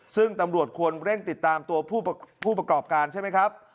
ซึ่งตำรวจควรเร่งติดตามตัวผู้ประกอบการใช่ไหมครับ